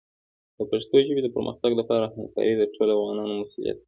د پښتو ژبې د پرمختګ لپاره همکاري د ټولو افغانانو مسؤلیت دی.